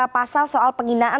pasal soal pengginaan